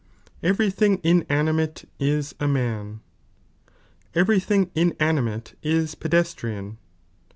Every thing inanimate ie a man. C B Every thing inanimate is pedestrian B A